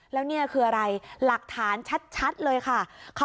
แล้วนี่คืออะไรหลักฐานชัดเลยค่ะ